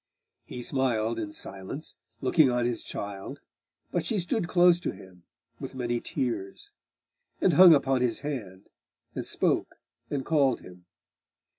He smiled in silence, looking on his child But she stood close to him, with many tears; And hung upon his hand, and spoke, and called him.